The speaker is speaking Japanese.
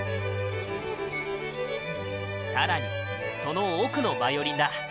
さらにその奥のヴァイオリンだ。